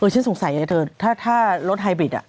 ฉันสงสัยนะเธอถ้ารถไฮบริด